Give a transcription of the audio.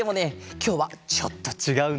きょうはちょっとちがうんだ。